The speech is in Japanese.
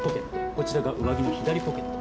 こちらが上着の左ポケット。